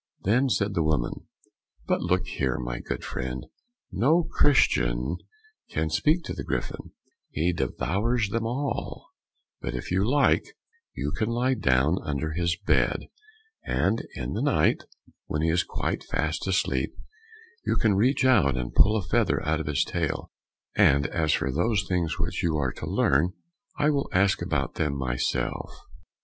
Then said the woman, "But look here, my good friend, no Christian can speak to the Griffin; he devours them all; but if you like, you can lie down under his bed, and in the night, when he is quite fast asleep, you can reach out and pull a feather out of his tail, and as for those things which you are to learn, I will ask about them myself."